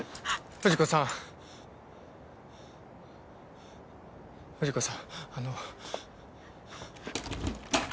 藤子さん藤子さん！